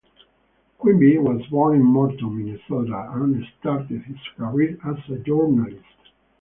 Quimby was born in Morton, Minnesota, and started his career as a journalist.